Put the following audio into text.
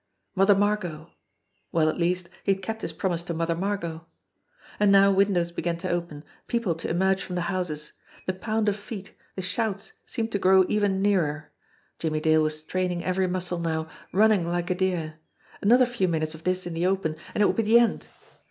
Mother Margot ! Well, at least, he had kept his promise to Mother Margot. And now windows began to open ; people to emerge from the houses. The pound of feet, the shouts seemed to grow even nearer. Jimmie Dale was straining every muscle now, running like a deer. Another few minutes of this in the open and it would be the end.